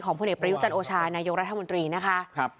ของผู้เด็กประยุทธ์จันทร์โอชายนายกรัฐมนตรีนะคะ